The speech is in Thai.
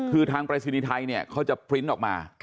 คือทางปลายสินิทัยเขาจะพรินต์ออกมา